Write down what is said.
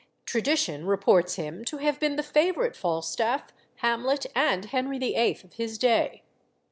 Tradition reports him to have been the favourite Falstaff, Hamlet, and Henry VIII. of his day.